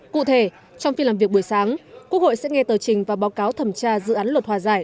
cụ thể trong phiên làm việc buổi sáng quốc hội sẽ nghe tờ trình và báo cáo thẩm tra dự án luật hòa giải